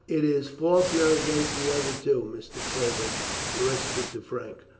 "It is Faulkner against the other two," Mr. Probert whispered to Frank.